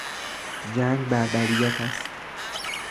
جنگ بربریت است.